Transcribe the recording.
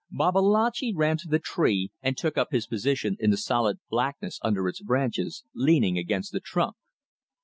Babalatchi ran to the tree and took up his position in the solid blackness under its branches, leaning against the trunk.